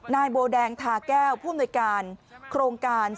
นายโบแดงทาแก้วผู้บนด้อยการครงการส่งน้ำ